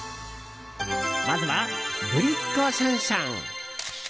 まずは、ぶりっ子シャンシャン！